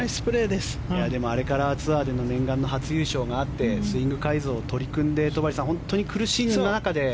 でも、あれからツアーでの念願の初優勝があってスイング改造に取り組んで戸張さん本当に苦しい中で。